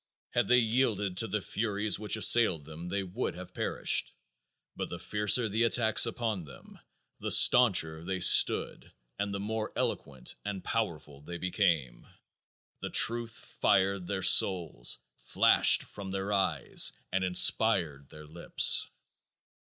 Had they yielded to the furies which assailed them they would have perished. But the fiercer the attacks upon them the stauncher they stood and the more eloquent and powerful they became. The truth fired their souls, flashed from their eyes, and inspired their lips.